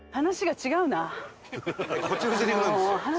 こっちのせりふなんですよ。